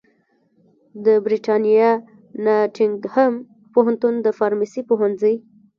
د برېتانیا ناټینګهم پوهنتون د فارمیسي پوهنځي